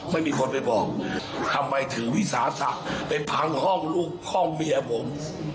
ไม่มีคนไปบอกทำไมถือวิสาสะไปพังห้องลูกห้องเมียผม